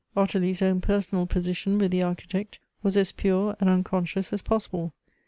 192 Goethe's Ottilie's own personal position with the Architect was as pure and unconcious as possible.